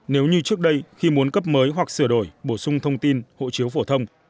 nếu như trước đây khi muốn cấp mới hoặc sửa đổi bổ sung thông tin hộ chiếu phổ thông